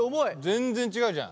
全然違うじゃん。